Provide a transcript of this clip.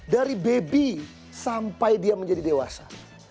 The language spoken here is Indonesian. dari baby sampai dia menjadi dewasa